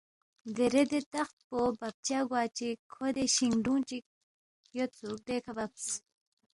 دیرے دے تخت پو ببچا گوا چِک کھو دے شِنگ ڈوُنگ چِک یودسُوک دیکھہ ببس